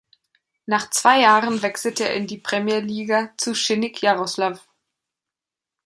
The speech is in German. Nach zwei Jahren wechselte er in die Premjer-Liga zu Schinnik Jaroslawl.